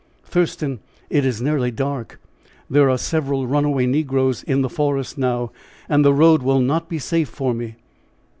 "Thurston, it is nearly dark there are several runaway negroes in the forest now, and the road will not be safe for me."